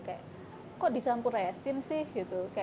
kayak kok dicampur resin sih gitu